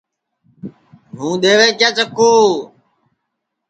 ٻو دؔیوے کیا چکُو